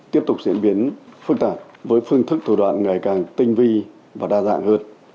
tiếp tục diễn biến phức tạp với phương thức thủ đoạn ngày càng tinh vi và đa dạng hơn